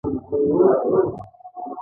دوی به ډیر کم حاصلات بیرته غلامانو ته ورکول.